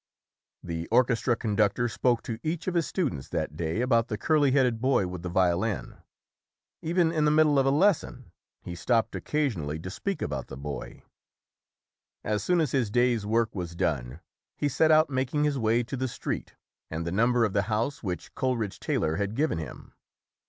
The orchestra conductor spoke to each of his students that day about the curly headed boy with the violin. Even in the middle of a lesson, he SAMUEL COLERIDGE TAYLOR [129 stopped occasionally to speak about the boy. As soon as his day's work was done, he set out making his way to the street and the number of the house which Coleridge Taylor had given him.